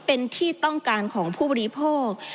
เป็นที่ต้องการของผู้บริโภค